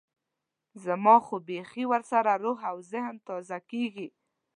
زما خو بيخي ورسره روح او ذهن تازه کېږي.